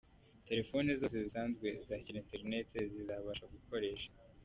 Telefone zose zisanzwe zakira internet zizabasha gukoresha.